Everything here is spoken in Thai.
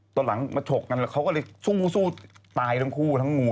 ตอนหลังมาฉกกันแล้วเขาก็เลยสู้ตายทั้งคู่ทั้งงู